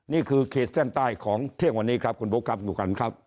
นี่คือเคสแส้นใต้ของเที่ยงวันนี้ครับคุณโบ๊คครับอยู่กันครับ